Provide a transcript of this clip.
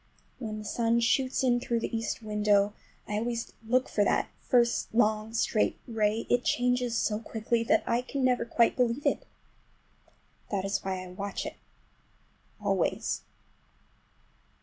When the sun shoots in through the east window—I always watch for that first long, straight ray—it changes so quickly that I never can quite believe it. That is why I watch it always.